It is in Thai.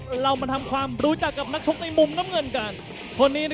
แล้วเรามาทำความรู้จักกับนักชกในมุมแดงกันบ้างดีกว่านะครับ